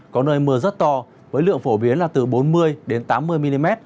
có nơi mưa rất to với lượng phổ biến là từ bốn mươi tám mươi mm